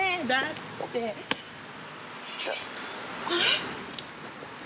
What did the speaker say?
あれ？